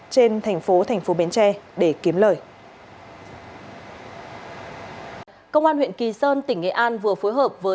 trên thành phố thành phố